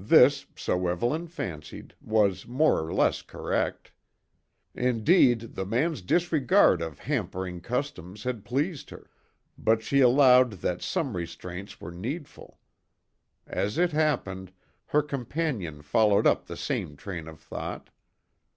This, so Evelyn fancied, was more or less correct. Indeed, the man's disregard of hampering customs had pleased her, but she allowed that some restraints were needful. As it happened, her companion followed up the same train of thought.